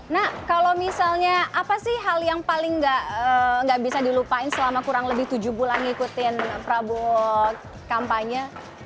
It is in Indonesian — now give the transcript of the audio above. nak kalau misalnya apa sih hal yang paling nggak bisa dilupain selama kurang lebih tujuh bulan ngikutin prabowo kampanye